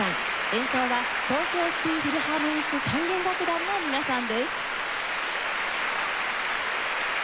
演奏は東京シティ・フィルハーモニック管弦楽団の皆さんです。